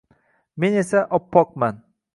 Men esa oppoqman